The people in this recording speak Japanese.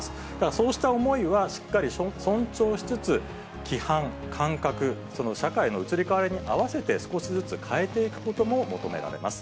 そうした思いはしっかり尊重しつつ、規範、感覚、その社会の移り変わりに合わせて、少しずつ変えていくことも求められます。